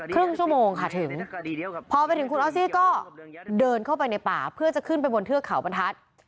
ครึ่งชั่วโมงค่ะถึงพอไปถึงคุณออสซี่ก็เดินเข้าไปในป่าเพื่อจะขึ้นไปบนเทือกเขาบรรทัศน์